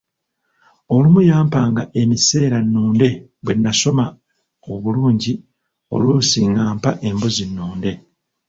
Olumu yampanga emiseera nnunde bwe nasoma obulungi, oluusi ng'ampa embuzi nnunde.